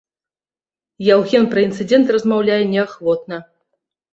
Яўген пра інцыдэнт размаўляе неахвотна.